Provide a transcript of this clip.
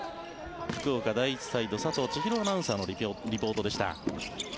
福岡第一サイド佐藤ちひろアナウンサーのリポートでした。